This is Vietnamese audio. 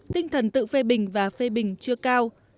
tinh thần tự phê bình và phê bình chưa cao